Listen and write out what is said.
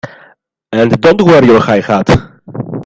And don't wear your high hat!